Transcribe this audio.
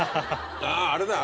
ああれだよ